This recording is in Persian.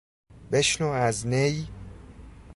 بشنو از نی....